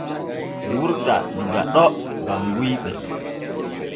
Wurta diga ɗo gam guyɓe.